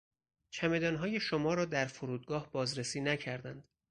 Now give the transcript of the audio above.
چمدانهای شما را در فرودگاه بازرسی نکردند.